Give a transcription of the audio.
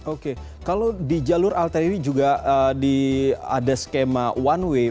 oke kalau di jalur arteri juga ada skema one way